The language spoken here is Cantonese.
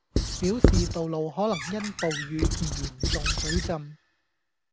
表示道路可能因暴雨而嚴重水浸